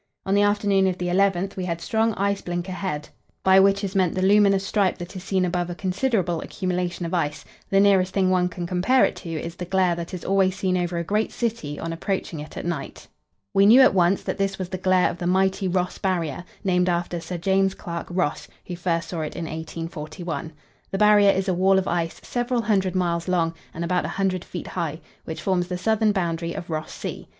On the afternoon of the 11th we had strong ice blink ahead, by which is meant the luminous stripe that is seen above a considerable accumulation of ice; the nearest thing one can compare it to is the glare that is always seen over a great city on approaching it at night. We knew at once that this was the glare of the mighty Ross Barrier, named after Sir James Clark Ross, who first saw it in 1841. The Barrier is a wall of ice, several hundred miles long, and about 100 feet high, which forms the southern boundary of Ross Sea.